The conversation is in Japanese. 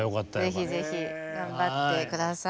ぜひぜひ頑張ってください。